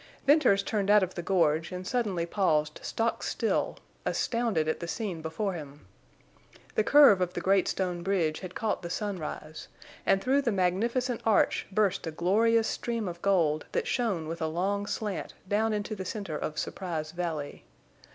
Venters turned out of the gorge, and suddenly paused stock still, astounded at the scene before him. The curve of the great stone bridge had caught the sunrise, and through the magnificent arch burst a glorious stream of gold that shone with a long slant down into the center of Surprise Valley.